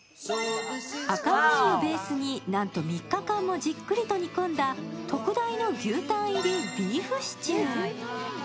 赤ワインをベースに、なんと３日間もじっくりと煮込んだ特大の牛タン入りビーフシチュー。